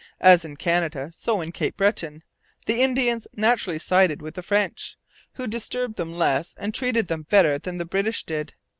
As in Canada, so in Cape Breton, the Indians naturally sided with the French, who disturbed them less and treated them better than the British did.